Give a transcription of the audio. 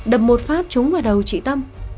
đập một phát trúng vào đầu chị tâm